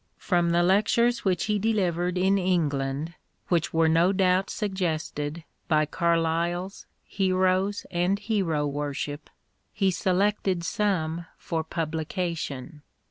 From the lectures which he deUvered in England, which were no doubt suggested by Carlyle's " Heroes and Hero Wor ship," he selected some for publication.